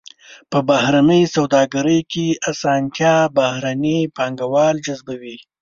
په بهرنۍ سوداګرۍ کې اسانتیا بهرني پانګوال جذبوي.